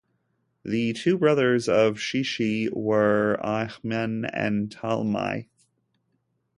The two brothers of Sheshai were Ahiman and Talmai.